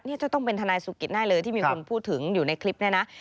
นี่จะต้องเป็นทนายสุกิตได้เลยที่มีคนพูดถึงอยู่ในคลิปนี้นะ